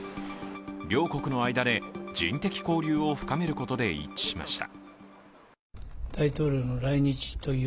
両国の間で人的交流を深めることで一致しました。